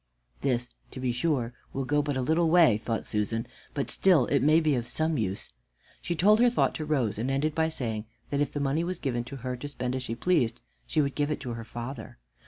"This, to be sure, will go but a little way," thought Susan; "but still it may be of some use." She told her thought to Rose, and ended by saying that if the money was given to her to spend as she pleased, she would give it to her father.